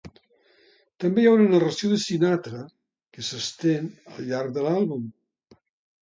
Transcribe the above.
També hi ha una narració de Sinatra que s'estén al llarg de l'àlbum.